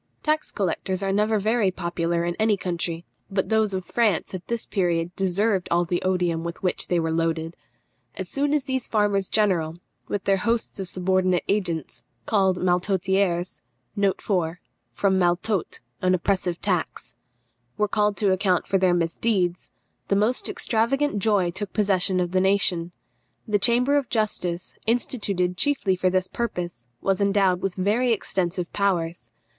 Tax collectors are never very popular in any country, but those of France at this period deserved all the odium with which they were loaded. As soon as these farmers general, with all their hosts of subordinate agents, called maltôtiers, were called to account for their misdeeds, the most extravagant joy took possession of the nation. The Chamber of Justice, instituted chiefly for this purpose, was endowed with very extensive powers.